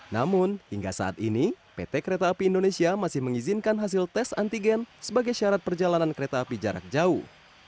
namun hingga saat ini pt kereta api indonesia masih mengizinkan hasil tes antigen sebagai syarat perjalanan kereta api jarak jauh